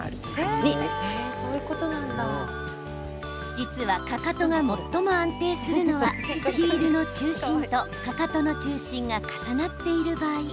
実は、かかとが最も安定するのはヒールの中心と、かかとの中心が重なっている場合。